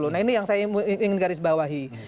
nah ini yang saya ingin garis bawahi